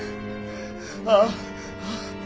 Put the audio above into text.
ああ！